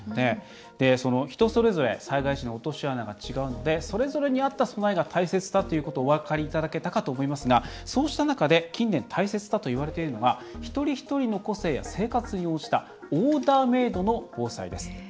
人それぞれ災害時の落とし穴が違うのでそれぞれに合った備えが大切だということがお分かりいただけたかと思いますが、そうした中で近年、大切だといわれているのが一人一人の個性や生活に応じたオーダーメードの防災です。